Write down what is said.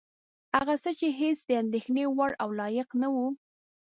هغه څه چې هېڅ د اندېښنې وړ او لایق نه وه.